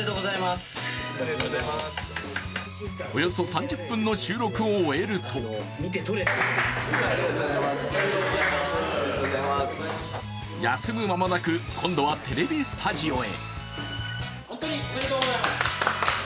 およそ３０分の収録を終えると休む間もなく今度はテレビスタジオへ。